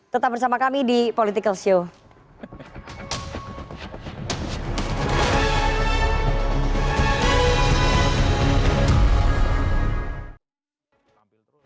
tetap bersama kami di political show